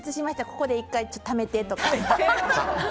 ここで１回ためてとか。